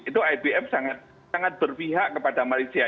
itu ibm sangat berpihak kepada malaysia